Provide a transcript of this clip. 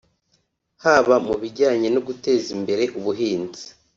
haba mu bijyanye no guteza imbere ubuhinzi